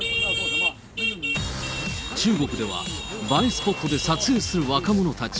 中国では映えスポットで撮影する若者たち。